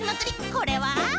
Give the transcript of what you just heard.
これは？